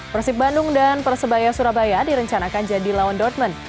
persib bandung dan persebaya surabaya direncanakan jadi lawan dortman